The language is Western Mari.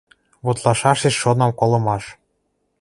Вот лашашеш шонам колымаш...»